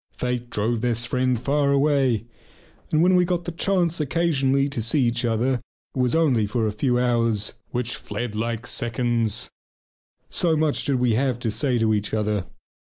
Fate drove this one friend far away, and when we got the chance occasionally to see each other it was only for a few hours, which fled like seconds so much did we have to say to each other.